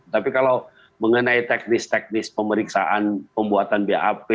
tapi kalau mengenai teknis teknis pemeriksaan pembuatan bap